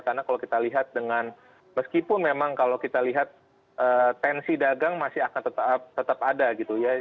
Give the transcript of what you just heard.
karena kalau kita lihat dengan meskipun memang kalau kita lihat ee tensi dagang masih akan tetap tetap ada gitu ya